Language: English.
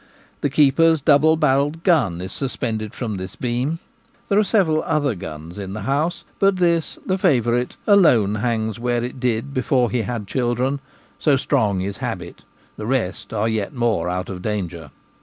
The keeper's double barrelled gun is suspended from this beam : there are several other guns in the house, but this, the favourite, alone hangs where it did before he had children — so strong is habit ; the rest are yet more out of danger.